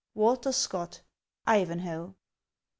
WALTER SCOTT : Ivanhoc.